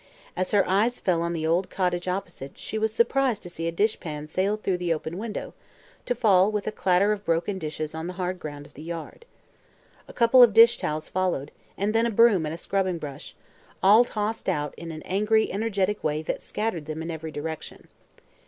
As her eyes fell on the old cottage opposite she was surprised to see a dishpan sail through the open window, to fall with a clatter of broken dishes on the hard ground of the yard. A couple of dish towels followed, and then a broom and a scrubbing brush all tossed out in an angry, energetic way that scattered them in every direction.